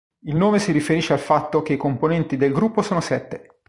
Il nome si riferisce al fatto che i componenti del gruppo sono sette.